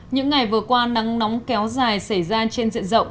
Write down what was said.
những ngày vừa qua nắng nóng kéo dài xảy ra trên diện rộng